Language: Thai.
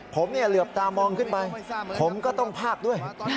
ผมเหลือบตามองขึ้นไปผมก็ต้องพากด้วย